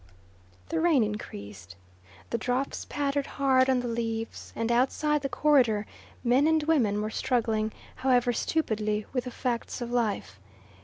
The rain increased. The drops pattered hard on the leaves, and outside the corridor men and women were struggling, however stupidly, with the facts of life.